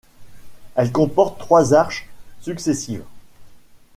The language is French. Elle comporte trois arches successives.